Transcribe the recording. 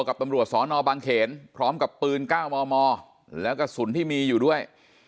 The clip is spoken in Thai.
กับตำรวจสอนอบางเขนพร้อมกับปืน๙มมแล้วกระสุนที่มีอยู่ด้วย